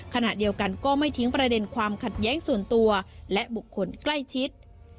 ขณะเดียวกันก็ไม่ทิ้งประเด็นความขัดแย้งส่วนตัวและบุคคลใกล้ชิด